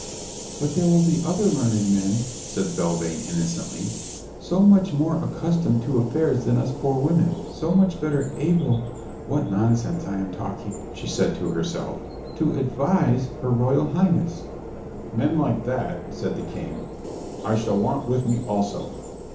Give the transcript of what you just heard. "But there will be other learned men," said Belvane innocently, "so much more accustomed to affairs than us poor women, so much better able" ("What nonsense I'm talking," she said to herself) "to advise her Royal Highness " "Men like that," said the King, "I shall want with me also.